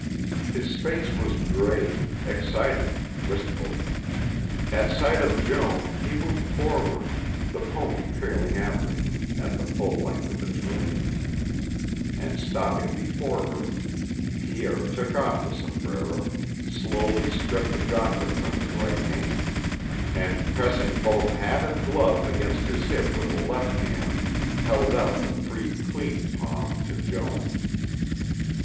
His face was grave, excited, wistful. At sight of Joan, he moved forward, the pony trailing after him at the full length of its reins; and, stopping before her, Pierre took off the sombrero, slowly stripped the gauntlet from his right hand, and, pressing both hat and glove against his hip with the left hand, held out the free, clean palm to Joan.